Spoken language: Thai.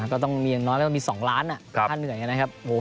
ก็ต้องมีอย่างน้อยก็ต้องมี๒ล้านค่าเหนื่อยนะครับ